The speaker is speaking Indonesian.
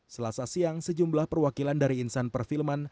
selasa siang sejumlah perwakilan dari insan perfilman